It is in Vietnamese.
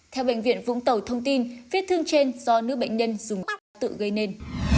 theo bệnh viện vũng tầu thông tin vết thương trên do nữ bệnh nhân dùng bắt tự gây nên